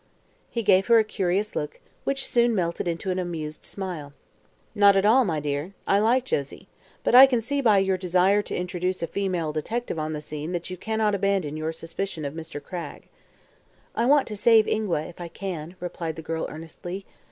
He gave her a curious look, which, soon melted into an amused smile. "Not at all, my dear. I like Josie. But I can see by your desire to introduce a female detective on the scene that you cannot abandon your suspicion of Mr. Cragg." "I want to save Ingua, if I can," replied the girl earnestly.